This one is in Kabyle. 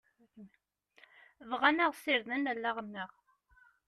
Bɣan ad ɣ-sirden allaɣ-nneɣ.